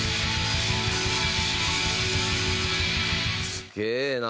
すげえな！